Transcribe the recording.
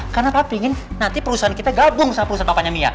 karena papa ingin nanti perusahaan kita gabung sama perusahaan papanya mia